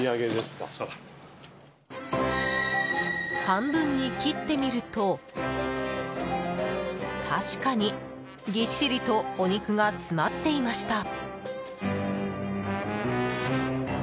半分に切ってみると確かに、ぎっしりとお肉が詰まっていました。